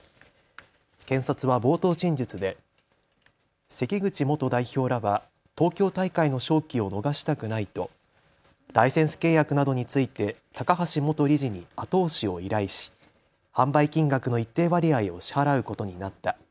検察は冒頭陳述で関口元代表らは東京大会の商機を逃したくないとライセンス契約などについて高橋元理事に後押しを依頼し販売金額の一定割合を支払うことになった。